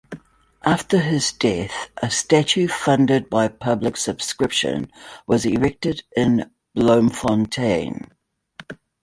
After his death a statue funded by public subscription was erected in Bloemfontein.